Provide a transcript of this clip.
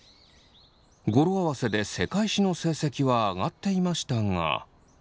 語呂合わせで世界史の成績は上がっていましたが。